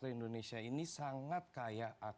karena indonesia ini sangat kaya akan kebudayaan